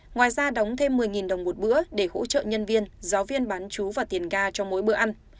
ngoài ra đóng thêm một mươi đồng một bữa để hỗ trợ nhân viên giáo viên bán chú và tiền ga cho mỗi bữa ăn